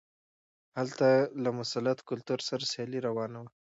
هلته له مسلط کلتور سره سیالي روانه وه.